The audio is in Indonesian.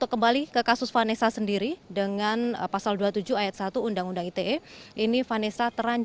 ahli bahasa ahli dari kementerian